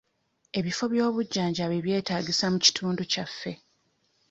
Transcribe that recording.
Ebifo by'obujjanjabi byetaagisa mu kitundu kyaffe.